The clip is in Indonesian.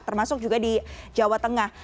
termasuk juga di jawa tengah